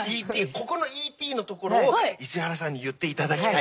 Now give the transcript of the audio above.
ここのＥ．Ｔ．のところを石原さんに言っていただきたい。